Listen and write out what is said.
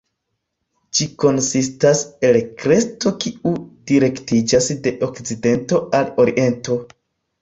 Ĝi konsistas el kresto kiu direktiĝas de okcidento al oriento.